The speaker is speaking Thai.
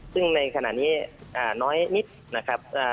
ซึ่งในขณะนี้น้อยนิดนะครับ